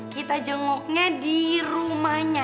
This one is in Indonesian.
kita jenguknya di rumahnya